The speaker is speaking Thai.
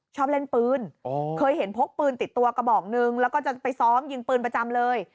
ชอบเล่นปืนเคยเห็นพกปืนติดตัวกระบอกนึงแล้วก็จะไปซ้อมยิงปืนประจำเลย